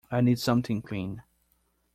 I need something clean.